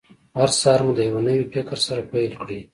هر سهار مو د یوه نوي فکر سره پیل کړئ.